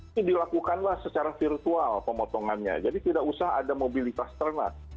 ini dilakukanlah secara virtual pemotongannya jadi tidak usah ada mobilitas ternak